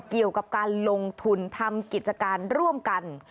เกี่ยวกับการลงทุนทำกิจการร่วมกัน